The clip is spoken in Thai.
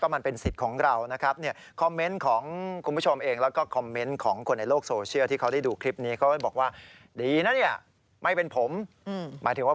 มันยังไม่เหมาะสม